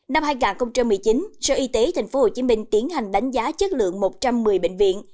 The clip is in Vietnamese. năm hai nghìn một mươi chín sở y tế tp hcm tiến hành đánh giá chất lượng một trăm một mươi bệnh viện